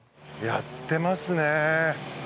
やってますね。